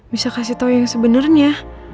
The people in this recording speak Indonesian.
bisa kasih tahu yang sebenarnya